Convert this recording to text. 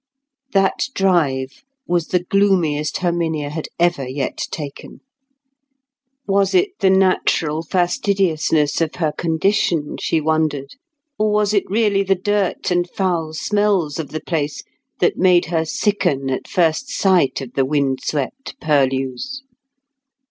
That drive was the gloomiest Herminia had ever yet taken. Was it the natural fastidiousness of her condition, she wondered, or was it really the dirt and foul smells of the place that made her sicken at first sight of the wind swept purlieus?